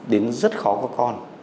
đến rất khó có con